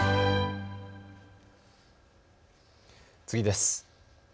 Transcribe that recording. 次です。